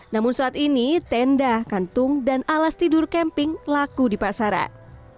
namun saat ini tenda kantung dan alas tidur camping laku di pasaran